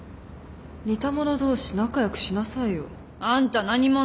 似た者同士仲良くしなさいよ。あんた何者？